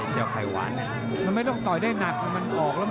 เจ้าไขวานเนี่ย